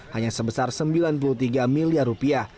hanya sebesar sembilan puluh tiga miliar rupiah